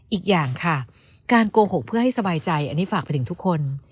อีกอย่างค่ะการโกหกเพื่อให้สบายใจอันนี้ฝากไปถึงทุกคน